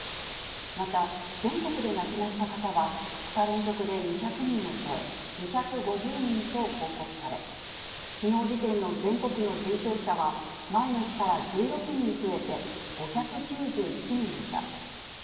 また、全国で亡くなった方は、２日連続で２００人を超え、２５０人と報告され、きのう時点の全国の重症者は、前の日から１６人増えて５９７人でした。